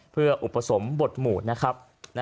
เพื่ออุปสมบทหมู่นะครับ